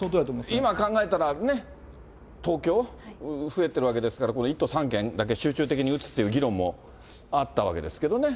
今考えたら、東京、増えてるわけですから、この１都３県だけ集中的に議論もあったわけですけどね。